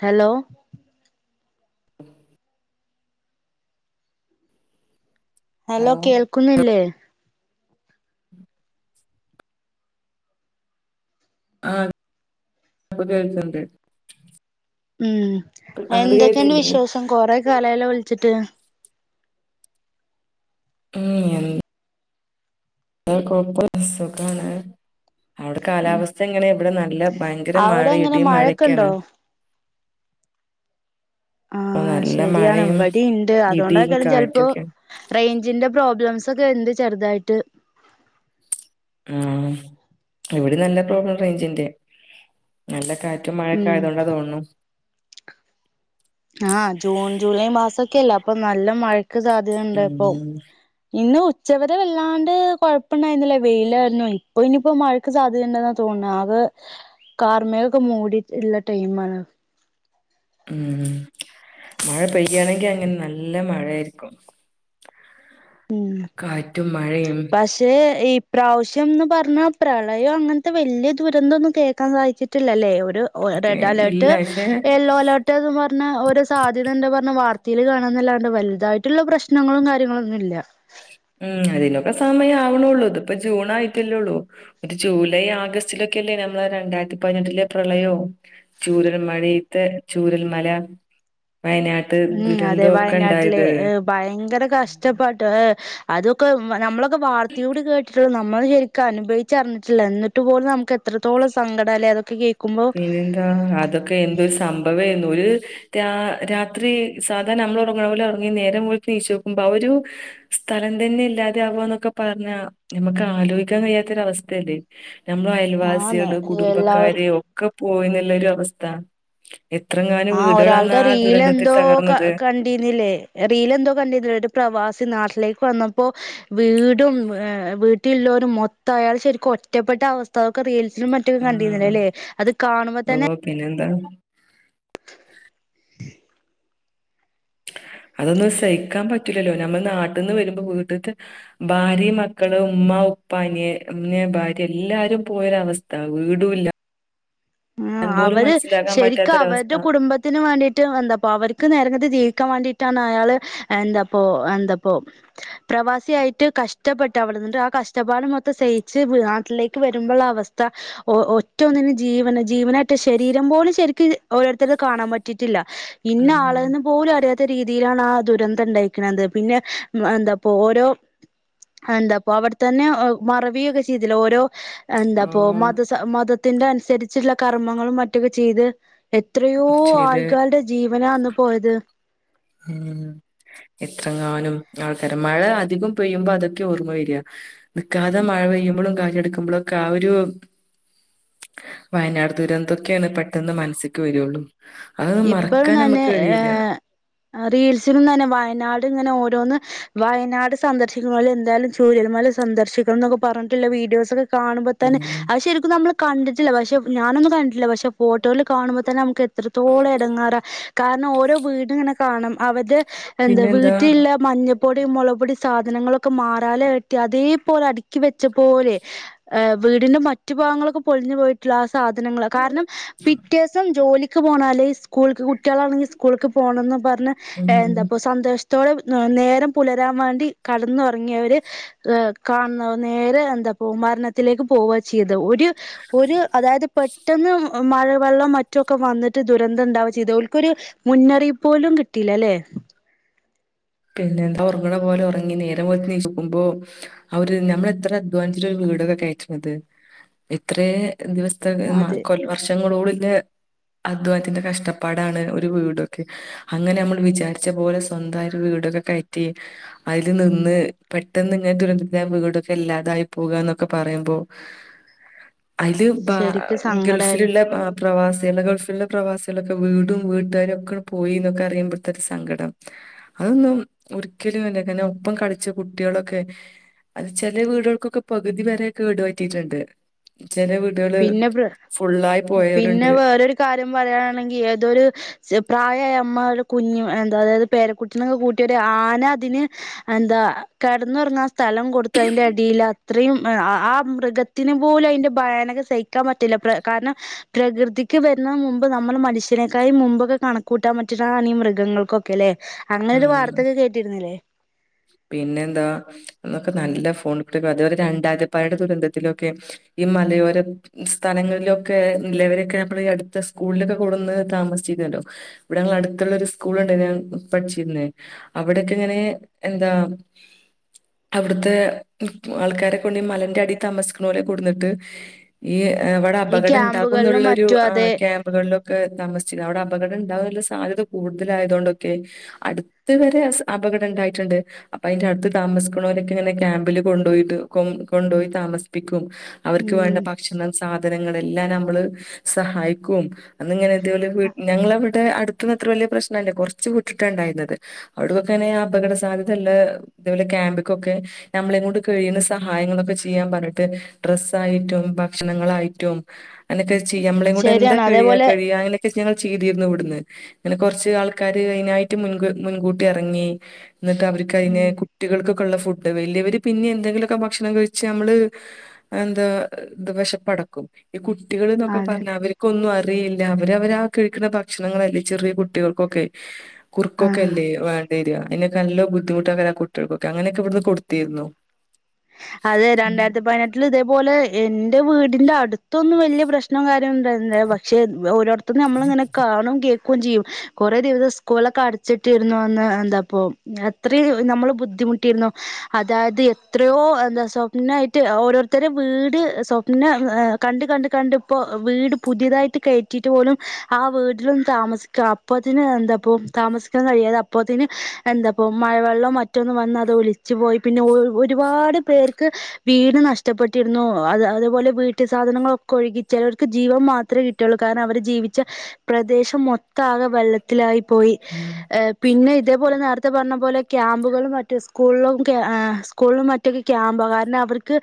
Hello ഉം hello കേൾക്കുന്നില്ലേ ആഹ് ഉം അങ്ങട്ട് എന്തൊക്കെയൻ്റെ കേട്ടില്ലേ വിശേഷം കൊറെ കാലായല്ലോ വിളിച്ചിട്ട് മ്മ് എന്ത ആ കൊയ്പ്പല്ല സുഖാണ് അവിടെ കാലാവസ്ഥ എങ്ങനെ ഇവിടെ നല്ല ഭയങ്കര മഴ അവിടെ എങ്ങനെ ഇടിം മഴക്കേൺ മഴൊക്കെണ്ടോ ആ നല്ല ശരിയാണ് മഴയും ഇവടിം ണ്ട് ഇടിയും അതോണ്ടേക്കാരം ചെല്പോ കാറ്റൊക്കെയാണ് റേഞ്ചിന്റെ പ്രോബ്ലംസ് ഒക്കെ ണ്ട് ചെറുതായിട്ട് മ്മ് ഇവടിം നല്ല പ്രോബ്ലം റെയ്ഞ്ചിന്റെ നല്ല കാറ്റ് കാറ്റും മഴേം ഒക്കെ ഉം ആയതൊണ്ടാ തോന്ന്ണു ആ ജൂൺ ജൂലൈ മാസൊക്കെല്ലേ അപ്പൊ നല്ല മഴ സാധ്യതണ്ടപ്പോ ഉം ഇന്ന് ഉച്ചവരെ വല്ലാണ്ട് കൊഴപ്പണ്ടായിരുന്നില്ല വെയിലായിര്ന്നു ഇപ്പ ഇനിപ്പോ മഴക്ക് സാധ്യതണ്ടെന്നാ തോന്ന ആകെ കാർമേഘക്കെ മൂടീട്ടുളള ടൈം ആണ് മ്മ് മഴ പെയ്യയാണെങ്കിൽ അങ്ങനെ നല്ല മഴയായ്ര്ക്കും മ്മ് മഴയും പക്ഷെ ഈ ഇപ്രാവശ്യംന്ന് പറഞ്ഞാൽ പ്രളയം അങ്ങനത്തെ വലിയ ദുരന്തൊന്നും കേൾക്കാൻ സാധിച്ചിട്ടില്ലല്ലേ ഒക്കെ റെഡ് ഇല്ല അലേർട്ട് പക്ഷെ യെല്ലോ അലേർട്ട് എന്ന് പറഞ്ഞ ഓരോ സാധ്യത ഉണ്ട്ന്ന് പറഞ്ഞ് വാ [inaudible] ഇതീൽ കാണാന്നല്ലാണ്ട് വലുതായിട്ടുള്ള പ്രശ്നങ്ങളും കാര്യങ്ങളൊന്നും ഇല്ല ല്ല മ്മ് അതിനൊക്കെ സമയാവ്ണൊള്ളൂ ഇത് ഇപ്പോ ജൂൺ ആായിട്ടല്ലേള്ളൂ ഒരു ജൂലൈ ആഗസ്റ്റിലൊക്കെല്ലേ നമ്മള രണ്ടായിരത്തി പതിനെട്ടിലെ പ്രളയോ ചൂരൽ മഴത്തെ ചൂരൽ മല മ്മ് അതെ വയനാട്ടിലെ ഏ ഭയങ്കര കഷ്ടപ്പട്ടു ഏ അതൊക്കെ നമ്മള വാർത്ത [inaudible] ത് നമ്മള് ശെർക്ക് അനുഭവച്ച് അറിഞ്ഞിട്ടില്ല എന്നിട്ട് പോലും നമുക്ക് എത്രത്തോളം സങ്കടാലേ അതൊക്കെ കേക്ക് പിന്നെന്താ അതൊക്കെന്ത് സംഭവേനു [inaudible] രാ രാത്രി സാധാ നമ്മ ഉറങ്ങന്നപോലെ ഉറങ്ങി നേരം [inaudible] നോക്കുമ്പോ ആ ഒരു സ്ഥലം തന്നെ ഇല്ലാതെ ആവാുകന്നൊക്കെ പറഞ്ഞാ നമുക്ക് ആലോചിക്കാൻ കഴിയാത്തൊര അവസ്ഥയല്ലേ ആന്ന് നമ്മളയൽവാസികള് എല്ലാവരും കുടുംബക്കാര് ഒ പോയീന്ന്ളളരവസ്ഥ ആ ഒരാളുടെ റീലെന്തോ ക തകർന്നത്. കണ്ടീന്ന്ലേ റീലെന്തോ കണ്ടീന്ന്ലേ ഒരു പ്രവാസി നാട് ലേക്ക് വന്നപ്പോ വീടും വീട്ടീല്ലോരും മൊത്തായാൾ ശരിക്കും ഒറ്റപ്പെട്ട അവസ്ഥൊക്കെ സിലും മറ്റൊക്കെ ഉം കണ്ടീർന്നല്ലോലേ അത് കാണുമ്പോതന്നെ ഓ പിന്നെന്താ അതൊന്നും സഹിക്കാൻ പറ്റൂലല്ലോ നമ്മൾ നാട്ടിന്ന് വരുമ്പോ വീട്ട്ത്തെ ഭാര്യേം മക്കളും ഉമ്മ ഉപ്പ അനിയൻ ഭാര്യ എല്ലാരും പോയൊരവസ്ഥാ വീടൂല്ല മ്മ് അവര് ശെരിക്ക് പറ്റാത്തൊരവസ്ഥ അവരുടെ കുടുംബത്തിന് വേണ്ടീട്ട് എന്താപ്പ അവർക്ക് നേരേക്ക് ജീവിക്കാൻ വേണ്ടിട്ട് ട്ടാണ് അയാൾ എന്താപ്പോ എന്താപ്പോ പ്രവാസിയായിട്ട് കഷ്ടപ്പെട്ട് അവിടെുന്നുണ്ട് ആ കഷ്ടപ്പാട മൊത്തം സഹച്ച് നാട്ടിലേക്ക് വരുമ്പോുള്ള അവസ്ഥ ഒറ്റോന്നിനന് ജീവന് ജീവനായിട്ട് ശരീരം പോലും ശെരിക്ക് ഓരോരുത്തർടെ കാണാൻ പറ്റീട്ടില്ല ഇന്ന ഉം ആളെന്നന്ന് പോലും അറിയാത്ത രീതിയിലാണാ ദുരന്തണ്ടായിരിക്ക്ണത് പിന്നെ എന്താപ്പോ ഓരോ എന്താപ്പോ അവിടെത്തന്നെ മറവിയൊക്കെ ചെയ്തില്ലേ ഓരോ എന്താപ്പോ ആഹ് മതസ മത ത്തിന്റെ അനുസരി ച്ചുള്ള കർമ്മങ്ങളും മറ്റൊക്കെ ചെയ്ത് എത്രയോ ചെയ്ത് ആൾക്കാരുടെ ജീവി ഇവനാ അന്ന് പോയത് ഉം എത്രങ്ങാനും ആൾക്കാര മഴ അധികം പെയ്യുമ്പോ അതൊക്കെ ഓർമ്മ വരിക നിക്കാത മഴ പെയ്യുമ്പളും [inaudible] എടുക്കുമ്പെളൊക്കെ ആ ഒരു വയനാട് ദുരന്തൊക്കെയാണ് പെട്ടെന്ന് മനസ്സ്ക്ക് വരുള്ളു ഇപ്പഴും തന്നെ ഏഹ് ആഹ് റീൽസിലും തന്നെ വയനാട് ഇങ്ങനെ ഓരോന്ന് വയനാട് സന്ദർശിക്ക്ണോല് എന്തായ്ലും ചൂര്യൽമല സന്ദർശിക്കണം എന്നൊക്കെ പറഞ്ഞിട്ടിള്ള വീഡിയോസ് ഒക്കെ കാണുമ്പോ തന്നെ ഉം അത് ശരിക്കും നമ്മള് കണ്ട്ട്ടില്ല പക്ഷെ ഞാനൊന്നും കണ്ട്ട്ടില്ല പക്ഷെ ഫോട്ടോല് കാണുമ്പോ തന്നെ നമുക്ക് എത് ത്തോളഎടങ്ങാറാ കാരണം ഓരോ വീട് ഇങ്ങനെ കാണണം അവര് എന്താ പിന്നെന്താ വീട്ടിലില്ല മഞ്ഞപ്പൊടി മഞ്ഞപൊടി മൊളപൊടി സാധനങ്ങളൊക്കെ മാറാല കെട്ടി അതേപോലെ അട്ക്കി വെച്ച പോലെ ഏഹ് വീടിന്റെ മറ്റു ഭാഗങ്ങളൊക്കെ പൊളിഞ്ഞ് പോയിട്ട്ള്ളആ സ് സാധനങ്ങള് ക്കാരണം പിറ്റെസം ജോലിക് ക്ക് പോണാല് സ്കൂൾക്ക് കുട്ട് കുട്ട്യാളാണങ്കി സ്കൂള്ക്ക് പോണംന്ന് പറഞ്ഞ് ഉം എന്താപ്പ സന്തോഷ ത്തോടെ നേരം പുലരാൻ വേണ്ടി കടന്നുറങ്ങിയവര് ഏഹ് കാണുന്ന നേരെ എന്താപ്പോ മരണത്തിലേക്ക് പോവാചെയ് ത് ഒര് ഒര് അതായത് പെട്ടെന്ന് മഴവെള്ളം മറ്റൊ ഒക്ക വന്നിട്ട് ദുരന്തണ്ടാവാ ചെയ്തെ ഓൽക്കൊരു മുന്നറിയിപ്പ് പോലും കിട്ടീലലേ പിന്നെ എന്താ ഒറങ്ങ്ണപോലെ ഉറങ്ങി നേരം വെളുത്ത് നീച്ച്നോക്കുമ്പോ അവര് ഞമ്മളെത്ര അധ്വാനിച്ചിട്ടാണ് ഒരു വീടൊക്കെ കയറ്റ്ണത് എത്രേ ദിവസ്ത്തെ ഉം മാ അത് കൊൽ വർഷങ്ങളോട് ദേ അധ്വാനത്തിന്റെ കഷ്ടപ്പാടാണ് ഒരു വീടൊക്കെ അങ്ങനെ നമ്മള് വിചാരിച്ച പോലെ സ്വന്തായ് വീടൊക്കെ കയറ്റി അതില് നിന്ന് പെട്ടെന്ന് ഇങ്ങനെ ദുരന്തത്തിലാ വീടൊക്കെ ഇല്ലാതായി പോകുകാന്നൊക്കെ പറയുമ്പോ അയില് ബാ ശരിക്കും സങ്കടായത് ഗൾഫിലുള്ള ബാപ് പ്രവാസികള്ടെ ഗൾഫിലെ പ്രവാസികളൊക്കെ വീടും വീട്ടാരും ഒക്കെ പോയിന്നൊക്കെ അറിയുമ്പത്തൊക്കെ സങ്കടം അതൊന്നും ഒരിക്കലും അല്ല കാരണം ഒപ്പം കളിച്ച കുട്ടികളൊക്കെ അത് ചെലേ വീടുകൾക്കൊക്കെ പകുതി വരെ കേടു പറ്റിട്ടുണ്ട് പിന്ന പ്ര പിന്നെ പോയവരുണ്ട് വേറൊരു കാര്യം പറയാനാണെങ്കി ഏതൊരു ചെ പ്രായായ അമ് മ്മ ഒരു കുഞ്ഞു എന്താ അതായത് പേരക്കുട്ടിനൊക്കെ കൂട്ടിയവര് ആന അതിന് എന്താ കെടന്നുറങ്ങാ സ്ഥലം കൊടുത്തു അയ്ന്റെ അടീലാ അത്രയും ആ ആ മൃഗത്തിന് പോലും അയ്ന്റെ ഭയാനക സ സഹിക്കാൻ പറ്റില്ല പ്രെ കാര്ണം പ്രകൃതിക്ക് വരുന്ന മുമ്പ് നമ്മള് മനുഷ്യനേക്കായിം മുമ്പൊക്കെ കണക്കൂട്ടാൻ പറ്റുന്നതാണ് ഈ മൃഗങ്ങൾക്കൊക്കെലേ ഉം പിന്നെ എന്താ എന്നൊക്കെ നല്ല ഫോൺ [unintelligible] രണ്ടായിരത്തിപതിനെട്ട് ദുരന്തത്തിലൊക്കെ ഈ മലയോരം സ്ഥലങ്ങളിലൊക്കെ നിലവരൊക്കെ നമ്മള് ഈ അടുത്ത സ്കൂളിലൊക്കെ കൊടുന്ന് താമസിച്ചിരുന്നല്ലോ ഇവിടെ ങ്ങട്ത്തുള്ള ഒരു സ്കൂളുണ്ട് ഞാൻ പഠിച്ചിന്ന് അവിടെക്കെ ഇങ്ങനെ എന്താ അവിടുത്തെ ഇൻക് ആൾക്കാരെ കൊണ്ട് മലന്റെ അടി താമസിക്കണോലെ കൊടുന്നിട്ട് ഈ ഇവിടെ ഈ അപകടം ഇണ്ടാകും ക്യാമ്പുകളിലും ന്നുള്ളൊരു മറ്റും ആഹ് അതെ ക്യാമ്പുകളിലൊക്കെ നമസ് അവിടെ അപകടം ഇണ്ടാവാനുള്ള സാധ്യത കൂടുതലായതോണ്ടൊക്കെ അടുത്ത് വരെ അപകടം ഉണ്ടായിട്ടുണ്ട് അപ്പൊ അതിന്റെ അടുത്ത് താമസിക്കുണോരൊക്കെ ഇങ്ങനെ ക്യാമ്പില് കൊണ്ടോയിട് കൊ കൊണ്ടോയി താമസിപിക് ക്കും അവർക്ക് വേണ്ട ഉം ഭക്ഷണം സാധനങ്ങളെല്ലാം നമ്മള് സഹായിക്കും അന്ന് ഇങ്ങനെ അതുപോലെ വിട് ഞങ്ങളെ വിട് അ അടുത്തൂന്ന്ത്ര വലിയ പ്രശ്നല്ല കുറച്ച് വി ക്കണ്ടായിരുന്നത് അവിടൊക്കെന്നെ അപകട സാധ്യതയല്ല ഇതേപോലെ ക്യാമ്പക്കൊക്കെ നമ്മളെങ്ങോട്ട കഴിയുന്ന സഹായങ്ങളൊക്കെ ചെയ്യാൻ പറഞ്ഞിട്ട് ഡ്രെസ്സായിട്ടും ഭക്ഷണങ്ങളായിട്ടും എന്നിട്ട് ചെയ്യാം ഞമ്മളെകൊണ്ട് എന്താ ശരിയാണ് കഴിയ അതേപോലെ കഴിയാലെങ് ഞങ്ങൾ ചെയ്തിരുന്നു ഇവിടുന്ന് അങ്ങനെ കുറച്ച് ആൾക്കാര് അയിനായ് റ്റ് മുൻകു മുൻകൂട്ടി എറങ്ങി എന്നിട്ട് അവർക്ക് അയിനേ ഉം കുട്ടികൾക്ക് ക്കുള്ള ഫുഡ് വലിയവര് പിന്നെ എന്തെങ്കിലുമൊക്കെ ഭക്ഷണം കഴിച്ച് ഞമ്മള് എന്താ ഹ് വിശപ്പടക്കും കുട്ടികള്ന്നൊക്കെ അതെ പറഞ്ഞ അവർക്കൊന്നും അരി ഏ അല്ല അവര അവരാ കഴിക്കുന്ന ഭക്ഷണങ്ങളല്ലേ ചെറിയ കുട്ടികൾക്കൊക്കെ കുറുക്കൊക്കെ ആഹ് അല്ലേ വേണ്ടേര പിന്നെയൊക്കെ നല്ല ബുദ്ധിമുട്ടെക്കാരം കുട്ടികൾകൊക്കെ അങ്ങനൊക്കെ ഇവിട്ന്ന് കൊടുത്തിരുന്നു അതെ ഉം രണ്ടായിരത്തി പതിനെട്ടിൽ ഇതേപോലെ എന്റെ വീടിന്റെ അടുത്തൊന്ന് വലിയ പ്രശ്നംകാര്യ ഉണ്ടായിരുന്നില്ല പക്ഷേ ഓരോർ പ്പൊ നമ്മളിങ്ങനെ കാണും കെ ക്കും ചെയ്യും കുറേ ദിവസം സ്കൂളൊക്കെ അടച്ചിട്ടേരുന്നു അന്ന് എന്താപ്പൊ അത്രേം നമ്മള് ബുദ്ധിമുട്ടിരുന്നു അതായത് എത്രയോ ഹ് എന്ത സ്വപ്നായിട്ട് ഓരോരുത്തർ വീട് സ്വപ്നം ഹ് കണ്ട് കണ്ട് കണ്ട് ഇപ്പൊ വീട് പുതിയതായിട്ട് കെയറ്റിട്ടപ്പോലും ആ വീട്ടിലൊന്ന് താമസിക്കാൻ അപ്പത്തിന് എന്തപ്പൊ താമസിക്കാൻ കഴിയാതെ അപ്പത്തിന് എന്തപ്പൊ മഴവെള്ളം മറ്റൊന്ന് വന്ന് അത് ഒളിച്ചു പോയി പിന്നെ ഒ ഒരുപാട് പേർക്ക് വീട് നഷ്ടപ്പെട്ടിരുന്നു അത് അതുപോലെ വീട്ടു സാധനങ്ങളൊക്കെ ഒഴുകി ചെലേർക് ജീവം മാത്രേ കിട്ടുയൊള്ളു കാരണം അവർ ജീവിച്ച പ്രദേശം മൊത്ത ആകെ വെള്ളത്തിലായി പോയി ഉം ഹ് പിന്നെ ഇതേപോലെ നേരത്തെ പറഞ്ഞ പോലെ ക്യാമ്പുകളും മറ്റ് സ്കൂലും ക്യാ ആ സ്കൂളലും മ റ്റയ്ക്ക് ക്യാമ്പ് കാരണം അവർക്ക്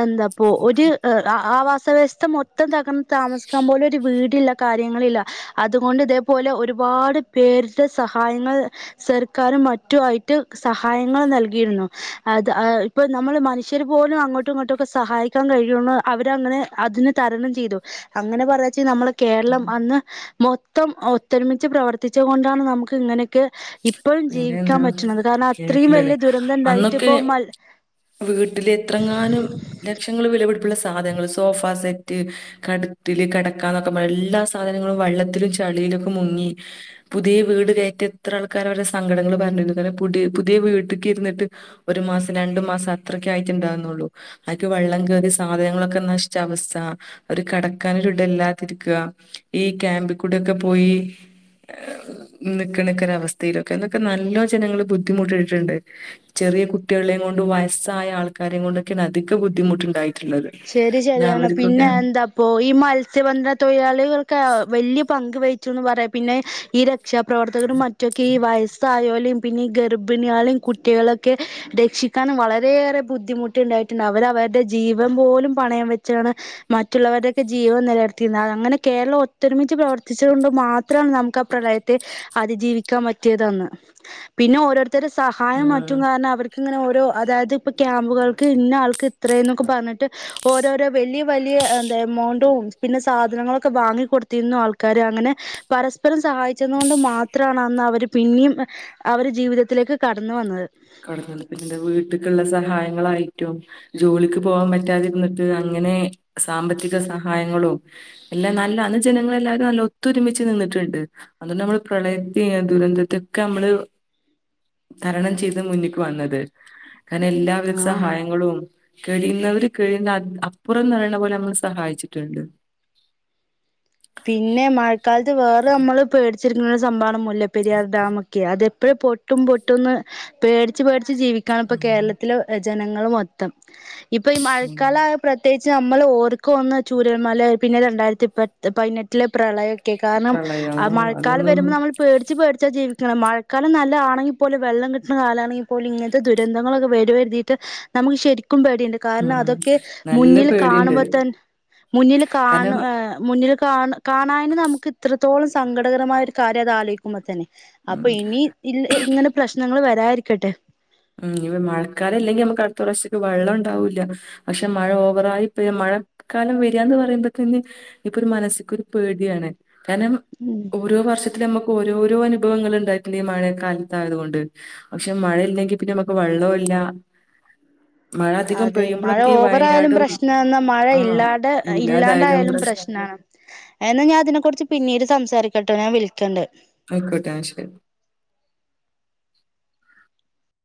എന്താപ്പോ ഒരു ഹ് അ ആ വാസ് വ്യവസ്ഥ മൊത്തം തകർന്ന താമസിക്കാൻ പോലൊരു വീടില്ല കാര്യങ്ങളില്ല അതുകൊണ്ട് ഇതേപോലെ ഒരുപാട് പേരുടെ സഹായങ്ങൾ സർക്കാരും മറ്റു ആയിട്ട് സഹായങ്ങൾ നൽകിയിരുന്നു അത് ആ ഇപ്പൾ നമ്മൾ മനുഷ്യർ പോലും അങ്ങോട്ടും ഇങ്ങോട്ടുമൊക്കെ സഹായിക്കാൻ കഴിയുണു അവരങ്ങനെ അതിന് തരണം ചെയ്തു അങ്ങനെ പറയാച്ച ഞമ്മള് കേരളം ഉം. അന്ന് മൊ ത്തം ഒത്തൊരുമിച്ച് പ്രവർത്തിച്ചു കൊണ്ടാണ് നമുക്ക് ഇങ്ങനെ ക് ഇപ്പോഴും പിന്നെ ജീവിക്കാൻ എന്താ പറ്റണത് കാരണം അത്രയും കേട്ടില്ലേ വലിയ ദുരന്തം ഇണ്ടായിട്ട് ഇപ്പ മൽ വീട്ടിൽ എത്രങ്ങാനും ലക്ഷങ്ങള് വി വിലപിടിപ്പുള്ള സാധനങ്ങള് സോഫ സെറ്റ് കട് ട്ടില് കെടക്കാനൊക്കെ പറഞ്ഞ് എല്ലാ സാധനങ്ങളും വെള്ളത്തിലും ചളിയിലൊക്കെ മുങ്ങി പുതിയ വീട് കയറ്റ ഇത്ര ആൾക്കാർ അവരുടെ സങ്കടങ്ങൾ പറഞ്ഞിരുന്നുന്ന് അറിയോ പുടിയ പുതിയ വീട്ടക്ക് ഇരുന്നിട്ട് ഒരു മാസം രണ്ടു മാസം അത്രക്കെ ആയിട്ടുണ്ടാവുന്നുള്ളു അതൊക്കെ വെള്ളം കേയറി സാധനങ്ങളൊക്കെ നശിച്ച അവസ്ഥ അവർക്ക് കെടക്കാൻ ഒരിടല്ലാതിരിക്കുക ഈ ക്യാമ്പിൽ കൂടൊക്കെ പോയി നിക്ക നിക്കണ അവസ്ഥയിലൊക്കെ എന്നൊക്കെ നല്ലോ ജനങ്ങള് ബുദ്ധിമുട്ടിട്ടുണ്ട് ചെറിയ കുട്ടികളെയും കൊണ്ട് വയസ്സായ ആൾക്കാരെ കൊണ്ടൊക്കെ അധികം ബുദ്ധിമുട്ടുണ്ടായി ശരി ശരിയാണ് പിന്നെ എന്താപ്പോ ഈ മത്സ്യബന്ധന തൊഴിലാളികൾക്ക് വലിയ പങ്ക് വയ്ച്ചുന്ന് പറയാം പിന്നെ ഈര രക്ഷാപ്രവർത്തകരും മറ്റുവൊക്കെ ഈ വയസ്സായോര് ലേം പിന്നീ ഗർഭിണികളേം കുട്ടികളൊക്കെ രക്ഷിക്കാനും വളരെയേറെ ബുദ്ധിമുട്ടുണ്ടായിട്ടുണ്ട് അവര അവരുടെ ജീ ജീവൻ പോലും പണയം വെച്ചാണ്. മറ്റുള്ളവരുടെയൊക്കെ ജീവൻ നിലർത്തിയിരുന്നത് അ അങ്ങനെ കേരളം ഒത്തൊരുമിച്ച് പ്രവർത്തിച്ചുക കൊണ്ട് മാത്രമാണ്. നമുക്ക് ആ പ്രളയത്തെ അതിജീവിക്കാൻ പറ്റിയതന്ന് പിന്നെ ഓരോരു തരും സഹായം ഉം മാറ്റും കാരണം അവർ ഇങ്ങനെ ഓരോ അതായത് ഇപ്പ ക്യാമ്പുകൾക്ക് ഇന്ന ആൾക്ക് ഇത്രയും ഒക്കെ പറഞ്ഞിട്ട് ഓരോരോ വലിയ വലിയ എന്താ എമൗണ്ടും പിന്നെ സാധനങ്ങളൊക്കെ വാങ്ങിക്കൊടുത്തിരുന്നു. ആൾക്കാര് അങ്ങനെ പരസ്പരം സഹായിച്ചതു കൊണ്ട് മാത്രമാണ്. അന്ന് അവര് പിന്നെയും അവര് ജീവിതത്തിലേക്ക് കടന്ന് വന്നത് കടന്ന് വന്നത് പിന്നെ വീട്ടക്കുള്ള സഹായങ്ങളായിട്ടും ജോലിക്ക് പോകാൻ പറ്റാതിരുന്നിട്ട് അങ്ങനെ സാമ്പത്തിക സഹായങ്ങളും എല്ലാം നല്ല ജനങ്ങളെല്ലാവരും നല്ല ഒത്തൊരുമിച്ച് നിന്നിട്ടുണ്ട് അതുകൊണ്ട് നമ്മൾ പ്രളയത്തെ ദുരന്തത്തെയൊക്കെ നമ്മള് തരണം ചെയ് മുന്നിക്ക് വന്നത് അങ്ങനെ എല്ലാവിധ ആഹ് സഹായങ്ങളും കഴിയുന്നവര് കഴിയുന്ന അപ്പുറം നറയണ പോലെ നമ്മള് സഹായിച്ചിട്ടുണ്ട് പിന്നെ മഴക്കാലത്ത് വേറെ നമ്മള് പേടി ചിരിന്നൊരു സംഭവാണ് മു ലമുല്ലപ്പെരിയാർ ഡാമൊക്കെ അത് എപ്പോഴും പൊട്ടും പൊട്ടുന്ന് പേടിച്ച് പേടിച്ച് ച്ച് ജീവിക്കാൻ ഇപ്പ ഉം കേരളത്തില് ജനങ്ങള് മൊത്തം ഇപ്പൊ ഈ ഉം. മഴക്കാലായ പ്രത്യേ ച്ച് നമ്മള് ഓർക്കു ചൂരൽമല പിന്നെ രണ്ടായിരത്തിപ്പ പൈയിനെട്ടിലെ പ്രളയ ക്കെ കാരണം പ്രളയം ആ മഴക്കാലം അതൊന്നും വരുമ്പോൾ നമ്മൾ പേടിച്ച് പേടിച്ചാ ജീവി മഴക്കാലം നല്ലതാണെങ്കിൽ പോലെ വെള്ളം കിട്ടുന്ന കാലാണെങ്കിൽ പോലും ഇങ്ങനത്തെ ദുരന്തങ്ങളൊക്കെ വരുവരുതിട്ട് നമുക്ക് ശരി ക്കും പേടിയുണ്ട് കാരണം ഉം അതൊക്കെ നല്ല മുന്നിൽ പേടിയുണ്ട് കാണുമ്പോ തൻ മുന്നിൽ കാണു കാരണം ആഹ് ഇതി കാണ് കാണാനും നമുക്ക് ഇത്ര തോളം സങ്കടകരമായ ഒരു കാര്യം അതാലോയിക്കുമ്പോ തന്നെ. അപ്പൊ ഉം ഇനി ഇ ഇങ്ങനെ പ്രശ്നങ്ങൾ വരാ ഇരിക്കട്ടെ മ് ഈ മഴക്കാലം ഇല്ലെങ്കി നമുക്ക് അടുത്ത പ്രാവശ്യക്ക് വെള്ളം ഉണ്ടാവൂല്ല പക്ഷെ മഴ ഓവറായി പെയ് മഴക്കാലം വരികാന്ന് പറയുമ്പോ തന്നെ ഇപ്പൊ ഒരു മനസ്സിക്ക്‌ ഒരു പേടിയാണ് കാണം ഉം ഓരോ വർഷത്തിലും നമ്മുക്ക് ഓരോ ഓരോ അനുഭവങ്ങൾ ഉണ്ടായിട്ടുണ്ട് ഈ മഴ കാലത്തയതുകൊണ്ട് പക്ഷേ മഴ ഇല്ലെങ്കിൽ പിന്നെ നമ്മക്ക് വെള്ളോ ഇല്ല മഴ അധികം അതെ മഴ പെയ്യുമ്പോഴൊക്കെ ഈ ഓവറായാലും വയനാടും പ്രശ്നാന്നാ മഴ ആ ഇല്ലാതെ ഇല്ലാതായാലും ഇല്ലാണ്ടായാലും പ്രശ്ന പ്രശ്നാണ് എന്നാ ഞാൻ ഇതിനെ കുറിച്ച് പിന്നീട് സംസാരിക്ക കെട്ടൊ ഞാൻ വിളിക്കണ്ട് ആയിക്കോട്ടെ ആ ശരി